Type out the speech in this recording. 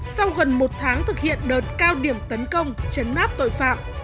sau gần một tháng thực hiện đợt cao điểm tấn công chấn áp tội phạm